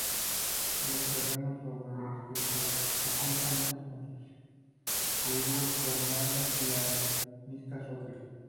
Los terrenos sobre los que se asienta están constituidos por margas y areniscas ocre.